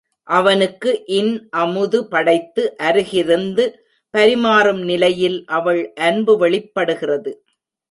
அவனுக்கு இன்.அமுது படைத்து அருகிருந்து பரிமாறும் நிலையில் அவள் அன்பு வெளிப் படுகிறது.